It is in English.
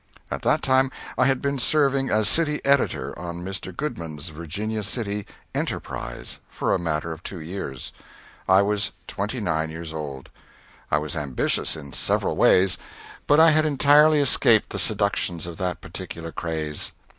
At that time I had been serving as city editor on Mr. Goodman's Virginia City "Enterprise" for a matter of two years. I was twenty nine years old. I was ambitious in several ways, but I had entirely escaped the seductions of that particular craze.